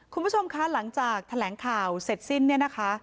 คุณผู้ชมคะหลังจากแถลงข่าวเสร็จสิ้นเนี่ยนะคะ